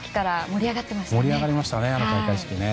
盛り上がりましたね